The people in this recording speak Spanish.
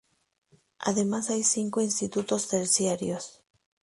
Además hay cinco institutos terciarios.